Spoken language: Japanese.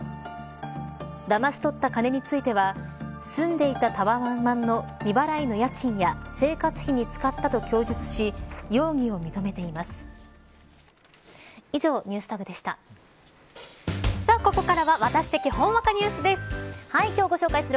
だまし取った金については住んでいたタワマンの未払いの家賃や生活費に使ったと供述し容疑を認めています。